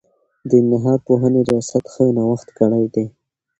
د ننګرهار پوهنې رياست ښه نوښت کړی دی.